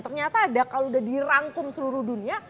ternyata ada kalau udah dirangkum seluruh dunia